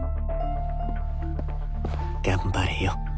頑張れよ。